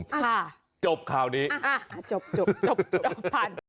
ค่ะจบคราวนี้จบพัน